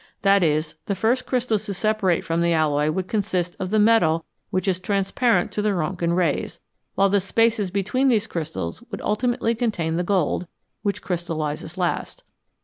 That is, the first crystals to separate from the alloy would consist of the metal which is transparent to the Rontgen rays, while the spaces between these crystals would ultimately contain the gold, which crystallises last.